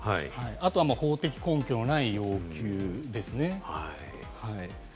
あとは法的根拠のない要求ですね。